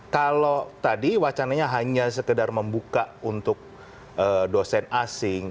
kalau tadi wacananya hanya sekedar membuka untuk dosen asing